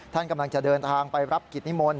ท่านกำลังจะเดินทางไปรับกิจนิมนต์